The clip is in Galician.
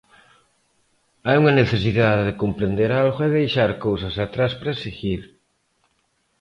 Hai unha necesidade de comprender algo e deixar cousas atrás para seguir.